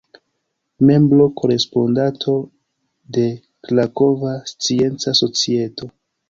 Membro-korespondanto de Krakova Scienca Societo.